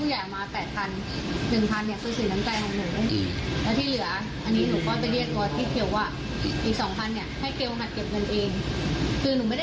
คือชะยอยส่งให้เรา